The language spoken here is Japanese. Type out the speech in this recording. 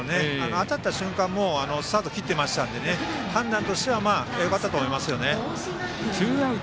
当たった瞬間もうスタート切っていましたので判断としてはよかったと思いますよね。